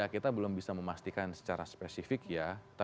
kita belum bisa memastikan secara spesifik ya